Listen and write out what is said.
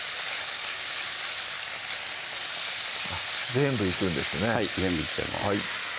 全部いくんですねはい全部いっちゃいます